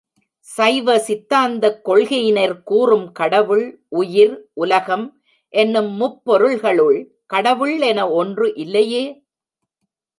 சைவ சித்தாந்தக் கொள்கையினர் கூறும் கடவுள், உயிர், உலகம் என்னும் முப்பொருள்களுள் கடவுள் என ஒன்று இல்லையே!